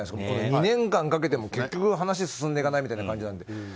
これ、２年間かけても結局話、進んでいかないみたいな感じなので。